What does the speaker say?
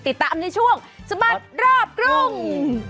ติดตามในช่วงสบัดรอบกรุง